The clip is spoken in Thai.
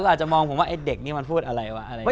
ก็อาจจะมองผมว่าไอ้เด็กนี่มันพูดอะไรวะ